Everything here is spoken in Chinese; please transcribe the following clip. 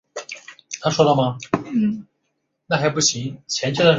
隆庆二年戊辰科第三甲第九十四名进士。